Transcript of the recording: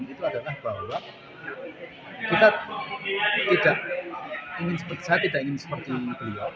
itu agaknya bahwa saya tidak ingin seperti beliau